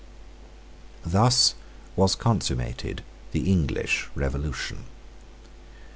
Thus was consummated the English Revolution.